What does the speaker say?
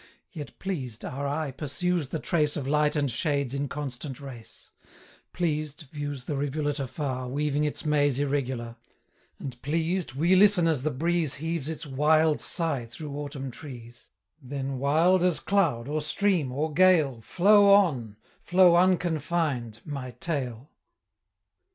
Yet pleased, our eye pursues the trace 15 Of Light and Shade's inconstant race; Pleased, views the rivulet afar, Weaving its maze irregular; And pleased, we listen as the breeze Heaves its wild sigh through Autumn trees; 20 Then, wild as cloud, or stream, or gale, Flow on, flow unconfined, my Tale!